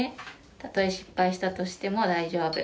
たとえ失敗したとしても大丈夫！！